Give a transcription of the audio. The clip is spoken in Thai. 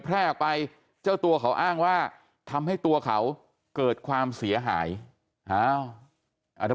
แพร่ออกไปเจ้าตัวเขาอ้างว่าทำให้ตัวเขาเกิดความเสียหาย